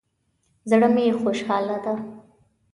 زړه می خوشحاله ده